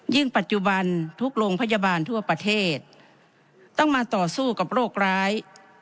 ปัจจุบันทุกโรงพยาบาลทั่วประเทศต้องมาต่อสู้กับโรคร้าย